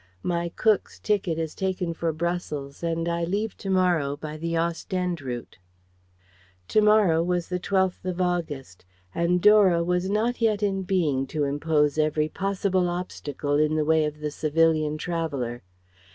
My Cook's ticket is taken for Brussels and I leave to morrow by the Ostende route." "To morrow" was the 12th of August, and Dora was not yet in being to interpose every possible obstacle in the way of the civilian traveller.